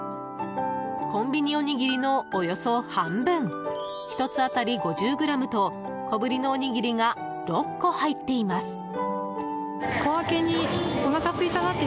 コンビニおにぎりのおよそ半分１つ当たり５０ｇと小ぶりのおにぎりが６個入っています。